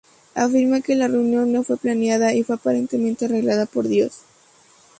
Afirma que la reunión no fue planeada, y fue aparentemente arreglado por Dios.